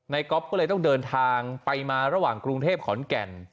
ก๊อฟก็เลยต้องเดินทางไปมาระหว่างกรุงเทพขอนแก่น